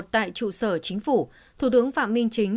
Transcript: tại trụ sở chính phủ thủ tướng phạm minh chính